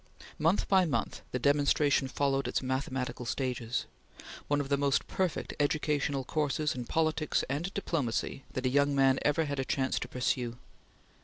Month by month the demonstration followed its mathematical stages; one of the most perfect educational courses in politics and diplomacy that a young man ever had a chance to pursue.